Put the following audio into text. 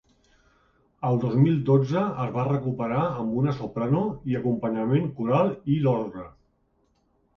El dos mil dotze es va recuperar amb una soprano i acompanyament coral i d’orgue.